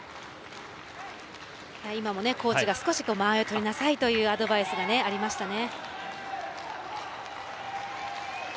今もコーチが間合いをとりなさいというアドバイスがありましたね。